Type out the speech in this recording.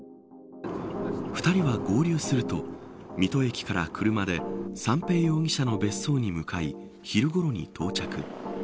２人は合流すると水戸駅から車で三瓶容疑者の別荘に向かい昼ごろに到着。